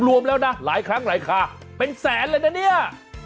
รวมแล้วนะหลายครั้งหลายคาเป็นแสนเลยนะเนี่ย